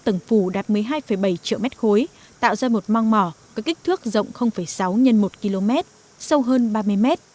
tầng phủ đạt một mươi hai bảy triệu mét khối tạo ra một mong mỏ có kích thước rộng sáu x một km sâu hơn ba mươi mét